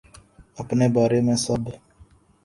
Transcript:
اپنے بارے میں سب